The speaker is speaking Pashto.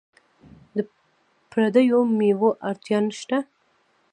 د پردیو میوو اړتیا نشته.